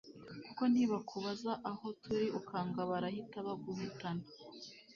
kuko ntibakubaza aho turi ukanga barahita baguhitana